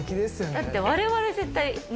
だって我々絶対ね。